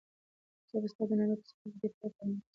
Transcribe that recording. زه به ستا د نمبر په ساتلو کې د پوره پاملرنې نه کار اخلم.